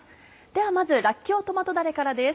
ではまずらっきょうトマトだれからです。